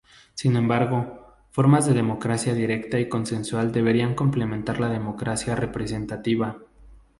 Sin embargo, formas de democracia directa y consensual deberían complementar la democracia representativa.